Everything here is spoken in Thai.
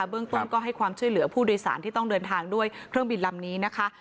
เบื้องต้นก็ให้ความช่วยเหลือผู้โดยสารที่ต้องเดินทางด้วยเครื่องบินลำนี้นะคะ